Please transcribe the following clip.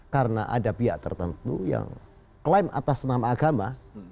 karena ada pihak tertentu yang klaim atas nama agama